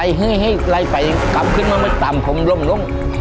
ไล่ให้ไล่ไปกลับขึ้นมาตามผมล่มล่ม